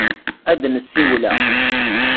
Ad n-siwleɣ.